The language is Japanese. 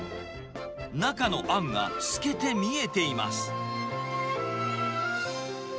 中のあんが透けて見えています。